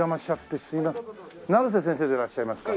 成瀬先生でいらっしゃいますか？